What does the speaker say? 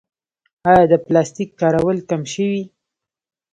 آیا د پلاستیک کارول کم شوي؟